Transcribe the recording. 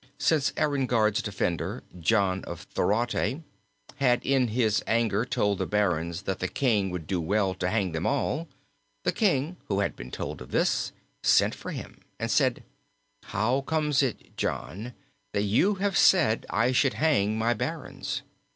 Since Enguerrard's defender, John of Thorote, had in his anger told the barons that the king would do well to hang them all, the king, who had been told of this, sent for him and said, 'How comes it, John, that you have said I should hang my barons?